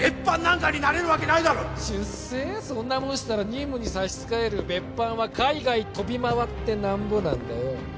そんなもんしたら任務に差し支える別班は海外飛び回ってなんぼなんだよ